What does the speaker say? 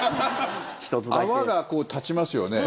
泡が立ちますよね。